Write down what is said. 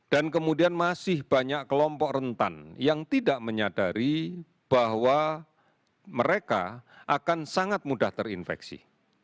dan kemudian masih banyak kelompok rentan yang tidak menyadari bahwa mereka akan sangat mudah terinfeksi